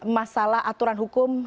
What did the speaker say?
masalah aturan hukum